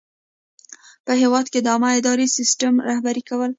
په هیواد کې د عامه اداري سیسټم رهبري کول.